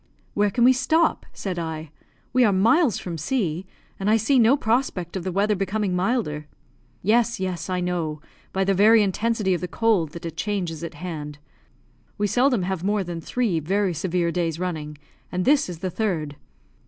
"Where can we stop?" said I; "we are miles from C , and I see no prospect of the weather becoming milder." "Yes, yes; I know, by the very intensity of the cold, that a change is at hand. We seldom have more than three very severe days running, and this is the third.